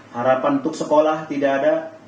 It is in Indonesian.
harapan untuk sekolah tidak ada